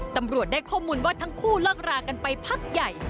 ตำรวจได้ข้อมูลว่าทั้งคู่เลิกรากันไปพักใหญ่